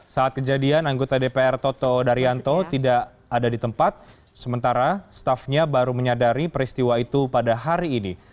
saat kejadian anggota dpr toto daryanto tidak ada di tempat sementara staffnya baru menyadari peristiwa itu pada hari ini